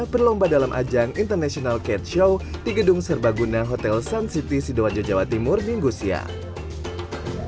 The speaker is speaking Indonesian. berlomba dalam ajang international cat show di gedung serbaguna hotel san city sidoarjo jawa timur minggu siang